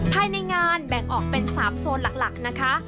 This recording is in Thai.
ภายในงานแบ่งออกเป็น๓โซนหลักนะคะ